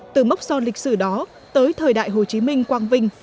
từ mốc son lịch sử đó tới thời đại hồ chí minh quang vinh